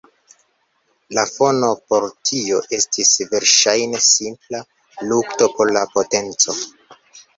La fono por tio estis verŝajne simpla lukto por la potenco.